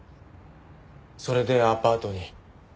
それでアパートに。